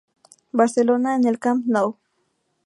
Barcelona en el Camp Nou..